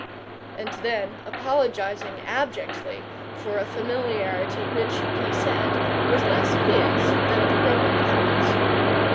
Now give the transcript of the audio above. and then apologising abjectly for a familiarity which (he said) was less his than the Roman poet's.